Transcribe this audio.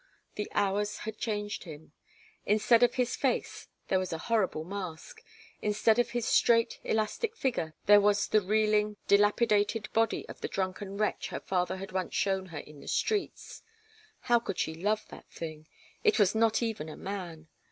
The hours had changed him. Instead of his face there was a horrible mask; instead of his straight, elastic figure there was the reeling, delapidated body of the drunken wretch her father had once shown her in the streets. How could she love that thing? It was not even a man.